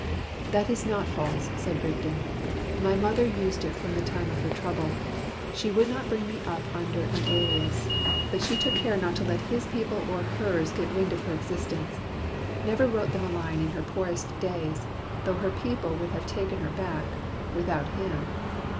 "That is not false," said Rigden. "My mother used it from the time of her trouble. She would not bring me up under an alias; but she took care not to let his people or hers get wind of her existence; never wrote them a line in her poorest days, though her people would have taken her back without him.